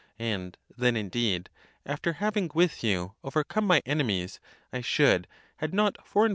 and then indeed, after having with you overcome my enemies, I should, had not forejen?